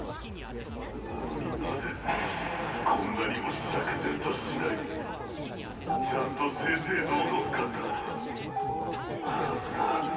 なのになぜこんなにも釈然としない⁉ちゃんと正々堂々勝ったはずだ。